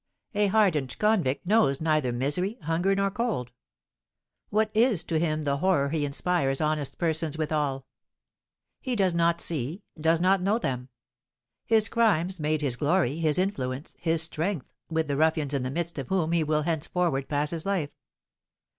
A hardened convict knows neither misery, hunger, nor cold. What is to him the horror he inspires honest persons withal? He does not see, does not know them. His crimes made his glory, his influence, his strength, with the ruffians in the midst of whom he will henceforward pass his life.